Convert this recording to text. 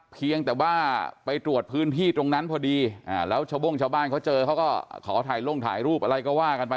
เพียงแต่ว่าไปตรวจพื้นที่ตรงนั้นพอดีแล้วชาวโบ้งชาวบ้านเขาเจอเขาก็ขอถ่ายลงถ่ายรูปอะไรก็ว่ากันไป